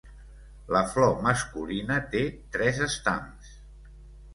La flor masculina té tres estams.